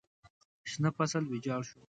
شنه فصل ویجاړ شو.